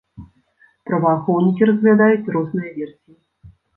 Праваахоўнікі разглядаюць розныя версіі.